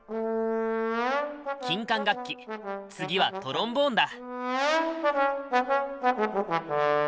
金管楽器次はトロンボーンだ。